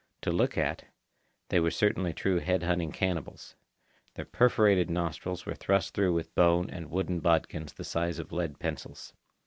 To look at, they were certainly true head hunting cannibals. Their perforated nostrils were thrust through with bone and wooden bodkins the size of lead pencils.